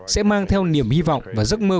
sẽ mang theo niềm hy vọng và giấc mơ